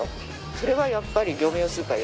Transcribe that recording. それはやっぱり。